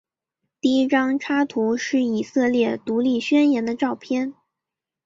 第一张插图是以色列独立宣言的照片。